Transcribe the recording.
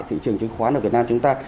thị trường chứng khoán ở việt nam chúng ta